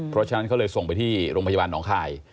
เพราะฉะนั้นเขาเลยส่งไปที่โรงพยาบาลหนองคาย